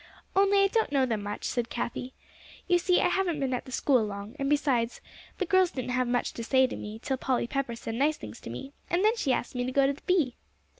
"Only I don't know them much," said Cathie. "You see I haven't been at the school long, and besides, the girls didn't have much to say to me till Polly Pepper said nice things to me, and then she asked me to go to the bee."